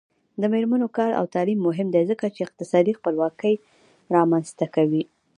د میرمنو کار او تعلیم مهم دی ځکه چې اقتصادي خپلواکۍ رامنځته کوي.